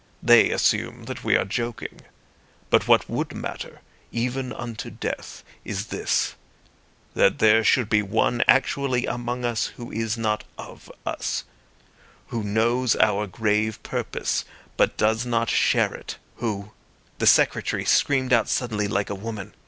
They assume that we are joking. But what would matter, even unto death, is this, that there should be one actually among us who is not of us, who knows our grave purpose, but does not share it, who—" The Secretary screamed out suddenly like a woman.